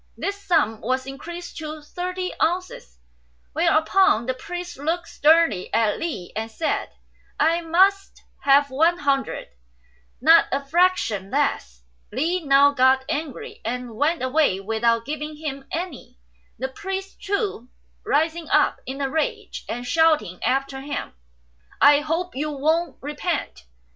This sum was increased to thirty ounces, whereupon the priest looked sternly at Li and said, "I must have one hundred; not a fraction less." Li now got angry, and went away without giving him any, the priest, too, rising up in a rage and shouting after him, "I hope you won't repent."